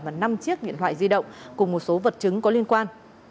và năm chiếc điện thoại di động cùng một số vật chứng có liên quan